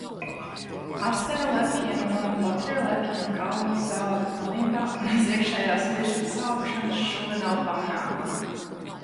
Asterolepjiem un botriolepjiem kauli saaug pilnībā un uz iekšējās virsmas saaugšanas šuve nav pamanāma.